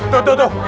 tuh tuh tuh